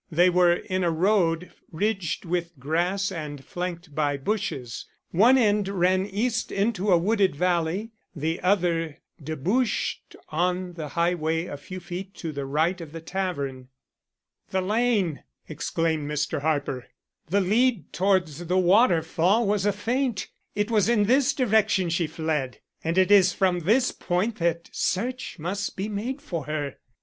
They were in a road ridged with grass and flanked by bushes. One end ran east into a wooded valley, the other debouched on the highway a few feet to the right of the tavern. "The lane!" exclaimed Mr. Harper. "The lead towards the waterfall was a feint. It was in this direction she fled, and it is from this point that search must be made for her."